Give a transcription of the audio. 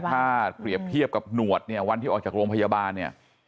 ถ้าเปรียบเทียบกับหนวดเนี่ยวันที่ออกจากโรงพยาบาลเนี่ย